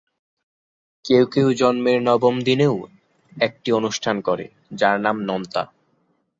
কেউ কেউ জন্মের নবম দিনেও একটি অনুষ্ঠান করে, যার নাম নন্তা।